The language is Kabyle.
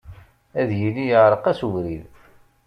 Ad yili iɛreq-as ubrid.